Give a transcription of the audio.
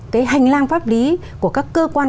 cái hành lang pháp lý của các cơ quan